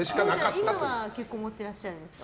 今は結構持っていらっしゃるんですか。